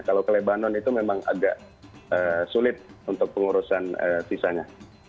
kalau ke lebanon itu memang agak sulit untuk pengurusan visanya